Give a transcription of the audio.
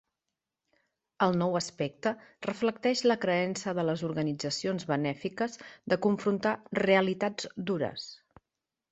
El nou aspecte reflecteix la creença de les organitzacions benèfiques de confrontar "realitats dures".